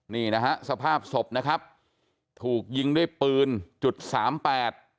นี่นะฮะสภาพศพนะครับถูกยิงด้วยปืนจุดสามแปด